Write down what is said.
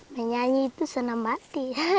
menyanyi itu senang banget